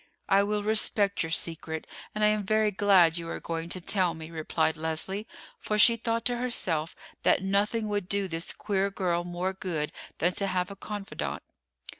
"I will respect your secret, and I am very glad you are going to tell me," replied Leslie, for she thought to herself that nothing would do this queer girl more good than to have a confidante.